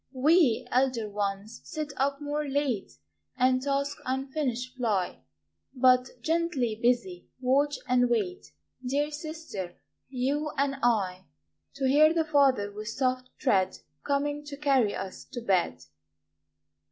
We, elder ones, sit up more late, And tasks unfinished ply, But, gently busy, watch and wait Dear sister, you and I, To hear the Father, with soft tread, Coming to carry us to bed.